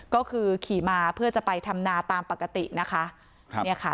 ก็คือขี่มาเพื่อจะไปทำนาตามปกตินะคะครับเนี่ยค่ะ